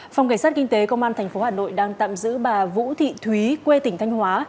phòng cảnh sát kinh tế công an tp hà nội đang tạm giữ bà vũ thị thúy quê tỉnh thanh hóa